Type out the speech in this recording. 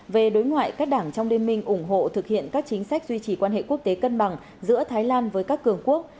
về đối ngoại các đảng trong liên minh ủng hộ thực hiện các chính sách duy trì quan hệ quốc tế cân bằng giữa thái lan với các cường quốc